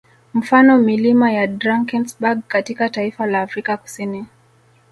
Mfano milima ya Drankesberg katika taifa la Afrika Kusini